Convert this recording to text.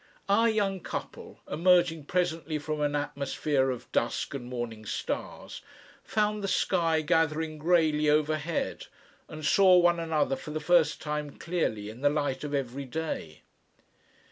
Our young couple, emerging presently from an atmosphere of dusk and morning stars, found the sky gathering greyly overhead and saw one another for the first time clearly in the light of every day.